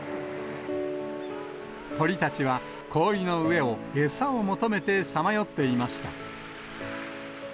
鳥たちは氷の上を餌を求めてさまよっていました。